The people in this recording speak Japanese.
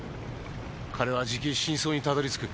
彼はじき真相にたどり着く。